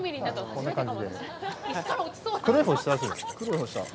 こんな感じ。